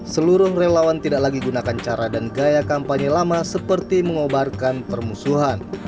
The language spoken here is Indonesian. seluruh relawan tidak lagi gunakan cara dan gaya kampanye lama seperti mengobarkan permusuhan